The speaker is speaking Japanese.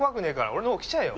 俺の方来ちゃえよ！